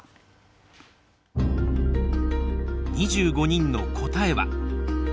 ２５人の答えは。